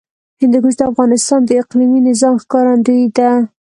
هندوکش د افغانستان د اقلیمي نظام ښکارندوی ده.